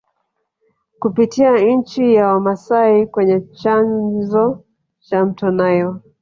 Kupitia nchi ya Wamasai kwenye chanzo cha mto Nile